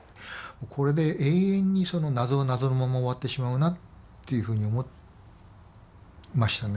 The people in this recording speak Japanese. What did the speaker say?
これで永遠に謎は謎のまま終わってしまうなっていうふうに思いましたね。